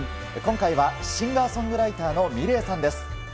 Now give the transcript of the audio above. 今回はシンガーソングライターのｍｉｌｅｔさんです。